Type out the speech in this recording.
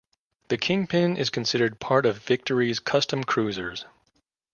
The Kingpin is considered part of Victory's Custom Cruisers.